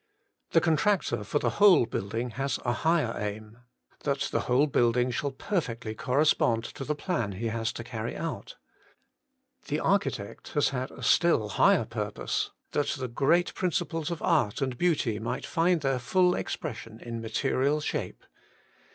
The contractor for the whole building has a higher aim — that the whole building shall perfectly correspond to the plan he has to 157 158 Working for God carry out. The architect has had a still higher purpose — that the great principles of art and beauty might find their full ex pression in material shape.